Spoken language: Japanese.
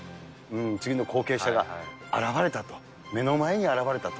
次の後継者が現れたと、目の前に現れたと。